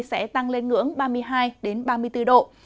sẽ tăng lên ngưỡng ba mươi hai ba mươi bốn độ